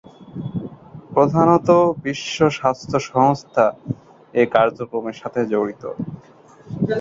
প্রধানতঃ বিশ্ব স্বাস্থ্য সংস্থা এ কার্যক্রমের সাথে জড়িত।